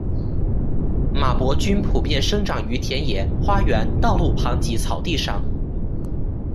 马勃菌普遍生长于田野、花园、道路旁及草地上。